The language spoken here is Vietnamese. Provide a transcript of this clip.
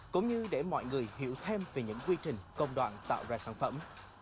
cũng như để mọi người hiểu thêm về những quy trình công đoạn tạo ra sản phẩm